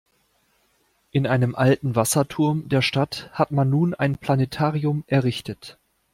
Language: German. In einem alten Wasserturm der Stadt hat man nun ein Planetarium errichtet.